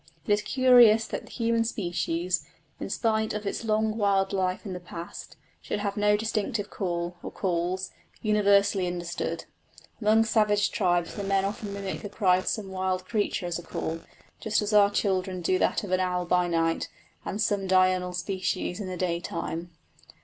It is curious that the human species, in spite of its long wild life in the past, should have no distinctive call, or calls, universally understood. Among savage tribes the men often mimic the cry of some wild animal as a call, just as our children do that of an owl by night, and of some diurnal species in the daytime.